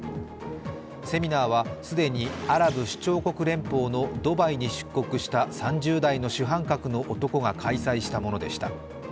セミナーは、既にアラブ首長国連邦のドバイに出国した３０代の主犯格の男が開催したものでした。